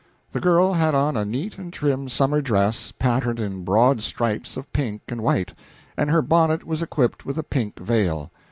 The girl had on a neat and trim summer dress, patterned in broad stripes of pink and white, and her bonnet was equipped with a pink veil.